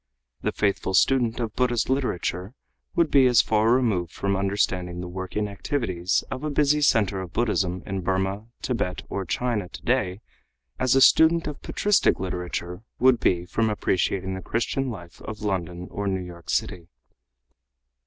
The faithful student of Buddhist literature would be as far removed from understanding the working activities of a busy center of Buddhism in Burmah, Tibet or China today as a student of patristic literature would be from appreciating the Christian life of London or New York City.